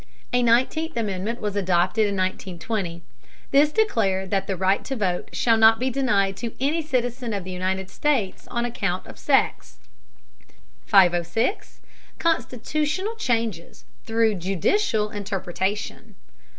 A Nineteenth Amendment was adopted in 1920. This declared that the right to vote shall not be denied to any citizen of the United States on account of sex. 506. CONSTITUTIONAL CHANGES THROUGH JUDICIAL INTERPRETATION.